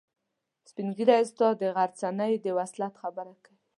سپین ږیری استاد د غرڅنۍ د وصلت خبره کوي.